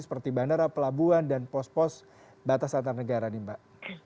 seperti bandara pelabuhan dan pos pos batas antar negara nih mbak